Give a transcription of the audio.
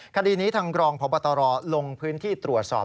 คดีนี้ทางรองพบตรลงพื้นที่ตรวจสอบ